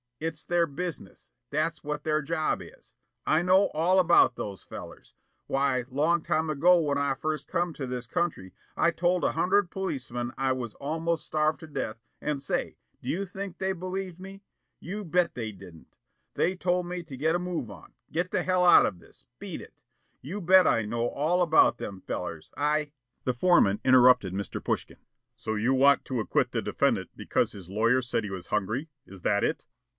It's their business. That's what their job is. I know all about those fellers. Why, long time ago when I first come to this country, I told a hundred policeman I was almost starved to death and say, do you think they believed me? You bet they didn't. They told me to get a move on, get the hell out of this, beat it, you bet I know all about them fellers. I " The foreman interrupted Mr. Pushkin. "So you want to acquit the defendant because his lawyer said he was hungry, is that it?"